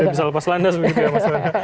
tidak bisa lepas landas begitu ya mas rizal